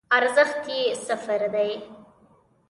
ارزښت یی صفر دی